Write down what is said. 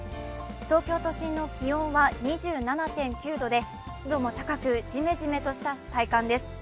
東京都心の気温は２７．９度で湿度も高くじめじめとした体感です。